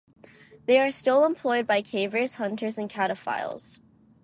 They are still employed by cavers, hunters, and cataphiles.